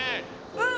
うん。